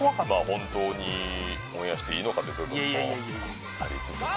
本当にオンエアしていいのかっていう部分もありつつも。